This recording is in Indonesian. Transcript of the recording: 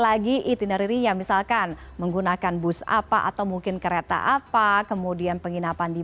lagi itinerinya misalkan menggunakan bus apa atau mungkin kereta apa kemudian penginapan di